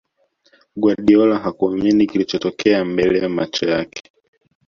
guardiola hakuamini kilichotokea mbele macho yake